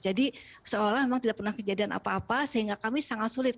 jadi seolah olah memang tidak pernah kejadian apa apa sehingga kami sangat sulit